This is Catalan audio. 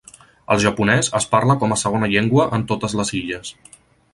El japonès es parla com a segona llengua en totes les illes.